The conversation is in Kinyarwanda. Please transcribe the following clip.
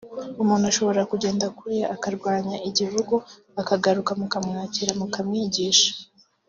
Umuntu ashobora kugenda kuriya akarwanya igihugu akagaruka mukamwakira mukamwigisha